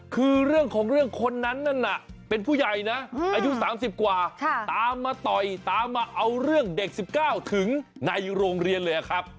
คือเรื่องของเรื่องคนนั้นนั่นน่ะเป็นผู้ใหญ่นะอายุ๓๐กว่าตามมาต่อยตามมาเอาเรื่องเด็ก๑๙ถึงในโรงเรียนเลยครับ